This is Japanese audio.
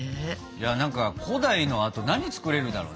いや何か古代のあと何作れるだろうね。